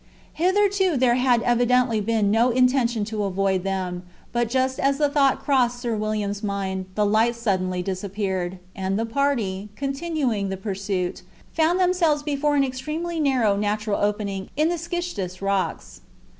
Hitherto there had evidently been no intention to avoid them, but just as the thought crossed Sir William's mind the light suddenly disappeared, and the party, continuing the pursuit, found themselves before an extremely narrow natural opening in the schistous rocks.